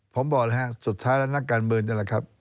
ผมบอกเลยฮะสุดท้ายแล้วนักการเมืองนี่แหละครับ